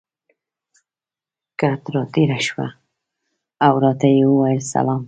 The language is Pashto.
کټ ته را تېره شوه او راته یې وویل: سلام.